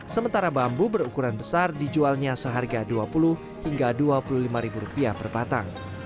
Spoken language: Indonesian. sementara bambu berukuran besar dijualnya seharga dua puluh hingga dua puluh lima ribu